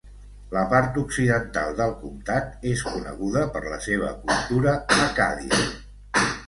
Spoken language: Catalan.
La part occidental del comtat és coneguda per la seva cultura accàdia.